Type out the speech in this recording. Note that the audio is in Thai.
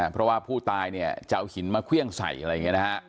เพราะว่าผู้ตายเนี่ยจะเอาหินมาเครื่องใส่อะไรอย่างนี้นะฮะ